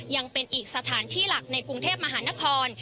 ยังเป็นอีกสถานที่หลักในกรุงเทพมหานคร